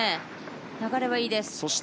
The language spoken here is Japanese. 流れはいいです。